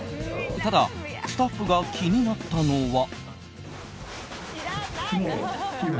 ただスタッフが気になったのは。